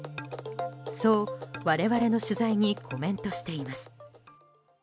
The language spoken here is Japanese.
そう、我々の取材にコメントしています。